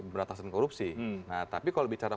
beratasan korupsi nah tapi kalau bicara